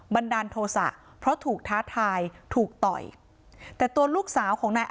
บันดาลโทษะเพราะถูกท้าทายถูกต่อยแต่ตัวลูกสาวของนาย